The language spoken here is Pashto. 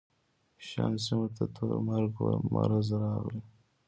شام سیمو ته تور مرګ مرض راغلی.